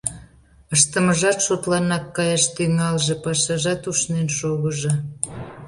Ыштымыжат шотланак каяш тӱҥалже, пашажат ушнен шогыжо!